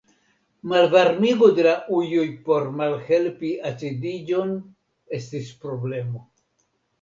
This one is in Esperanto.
Malvarmigo de la ujoj por malhelpi acidiĝon estis problemo.